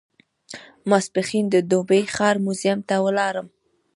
ماپښین د دوبۍ ښار موزیم ته ولاړم.